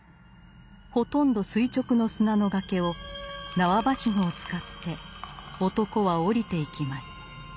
ほとんど垂直の砂の崖を縄ばしごを使って男は降りていきます。